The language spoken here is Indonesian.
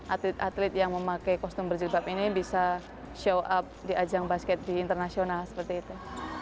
atlet atlet yang memakai kostum berjilbab ini bisa show up di ajang basket di internasional seperti itu